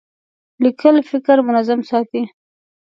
لیکل فکر منظم ساتي.